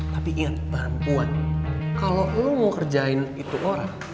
tapi iya perempuan kalo lo mau kerjain itu orang